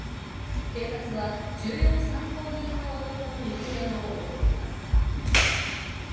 警察は重要参考人の男の行方を追っています。